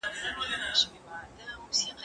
زه بايد واښه راوړم!؟